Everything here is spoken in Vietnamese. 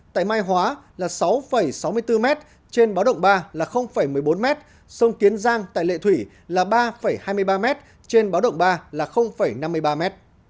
tại mai hóa là sáu sáu mươi bốn m trên báo động ba là một mươi bốn m sông kiến giang tại lệ thủy là ba hai mươi ba m trên báo động ba là năm mươi ba m